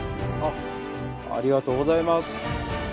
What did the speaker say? ありがとうございます。